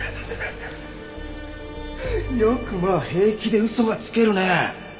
よくまあ平気で嘘がつけるね。